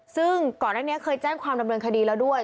ซึ่งก่อนหน้านี้เคยแจ้งความดำเนินคดีแล้วด้วย